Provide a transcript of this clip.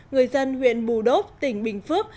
người dân huyện bù đốc tỉnh bình phước